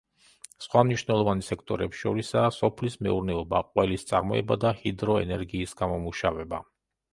სხვა მნიშვნელოვანი სექტორებს შორისაა სოფლის მეურნეობა, ყველის წარმოება და ჰიდროენერგიის გამომუშავება.